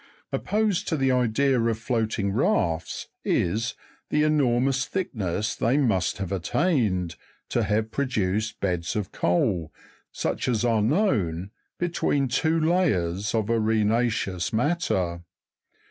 153 Opposed to the idea of floating rafts is, the enormous thickness they must have attained, to have produced beds of coal such as are known, between two layers of arena'ceous matter.